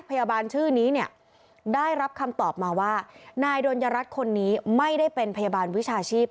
พยาบาลชื่อนี้เนี่ยได้รับคำตอบมาว่านายดนยรัฐคนนี้ไม่ได้เป็นพยาบาลวิชาชีพ